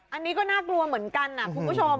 อันนี้ก็น่ากลัวเหมือนกันนะคุณผู้ชม